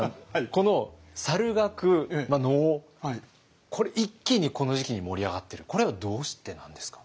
この猿楽能これ一気にこの時期に盛り上がってるこれはどうしてなんですか？